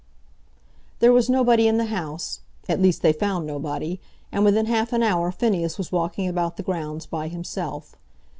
There was nobody in the house, at least, they found nobody; and within half an hour Phineas was walking about the grounds by himself.